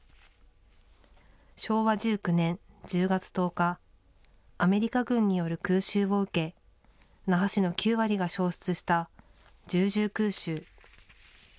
昭和１９年１０月１０日、アメリカ軍による空襲を受け、那覇市の９割が焼失した１０・１０空襲。